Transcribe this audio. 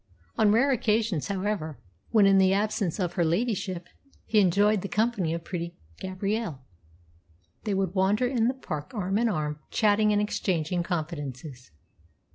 On rare occasions, however, when, in the absence of her ladyship, he enjoyed the company of pretty Gabrielle, they would wander in the park arm in arm, chatting and exchanging confidences.